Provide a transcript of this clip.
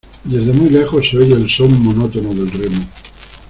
desde muy lejos se oye el son monótono del remo.